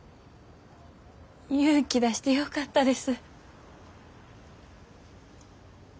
勇気出してよかったです。